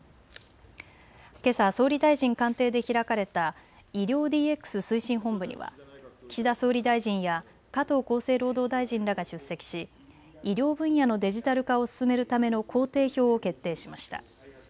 けさ総理大臣官邸で開かれた医療ＤＸ推進本部には岸田総理大臣や加藤厚生労働大臣らが出席し医療分野のデジタル化を進めるための工程表を決定しました。